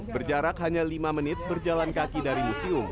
berjarak hanya lima menit berjalan kaki dari museum